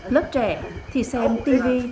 lớp trẻ thì xem tivi